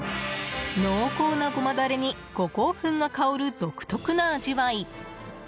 濃厚なゴマダレに五香粉が香る独特な味わい。